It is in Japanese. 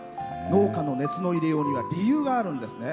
農家の熱の入れようには理由があるんですね。